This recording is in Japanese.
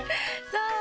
そう！